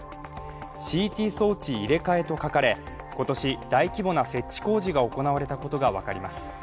ＣＴ装置入れ替えと書かれ今年、大規模な設置工事が行われたことが分かります。